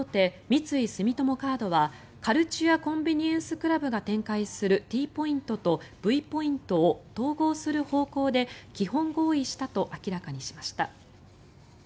三井住友カードはカルチュア・コンビニエンス・クラブが展開するＴポイントとＶポイントを統合する方向で基本合意したと明らかにしました。